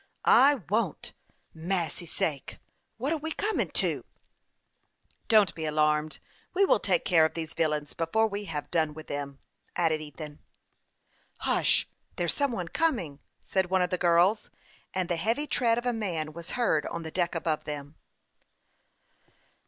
" I won't. Massy sake ! "What on airth are we comin' to ?"" Don't be alarmed ; we will take care of these villains before we have done with them," added Ethan. 25 290 HASTE AND WASTE, OR " Hush ! There's some one coming," said one of the girls ; and the heavy tread of a man was heard on the deck above them.